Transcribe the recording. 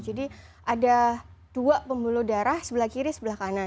jadi ada dua pembuluh darah sebelah kiri sebelah kanan